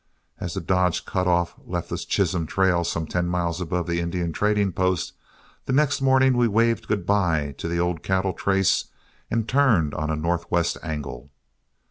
As the Dodge cut off left the Chisholm Trail some ten miles above the Indian trading post, the next morning we waved good bye to the old cattle trace and turned on a northwest angle.